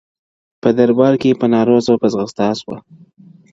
په دربار کي په نارو سوه په ځغستا سوه.!